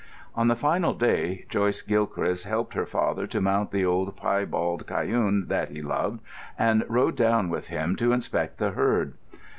On the final day Joyce Gilchrist helped her father to mount the old piebald cayune that he loved, and rode down with him to inspect the herd.